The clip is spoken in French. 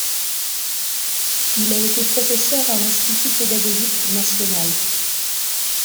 Il a été professeur à l’Institut pédagogique national.